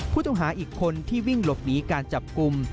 ผู้ต้องหาอีกคนที่วิ่งหลบหนีการจับกลุ่ม